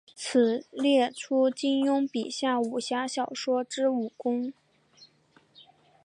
此列出金庸笔下武侠小说之武功。